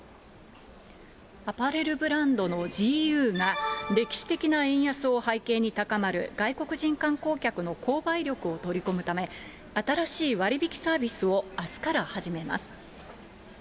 アパレルブランドのＧＵが歴史的な円安を背景に高まる外国人観光客の購買力を取り込むため、新しい割引サービスをあすから始めます。